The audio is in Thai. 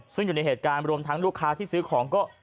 ซึ่งอยู่ในเหตุการณ์รวมทั้งลูกค้าที่ซื้อของก็